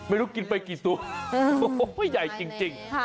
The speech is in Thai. ไม่รู้กินไปกี่ตัวโอ้โหใหญ่จริง